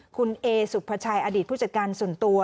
คุณเอสุภาชัยอดีตผู้จัดการส่วนตัว